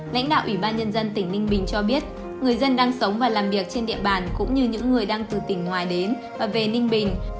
lãnh đạo ủy ban nhân dân tỉnh ninh bình cho biết người dân đang sống và làm việc trên địa bàn cũng như những người đang từ tỉnh ngoài đến và về ninh bình